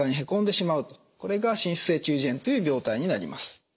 これが滲出性中耳炎という病態になります。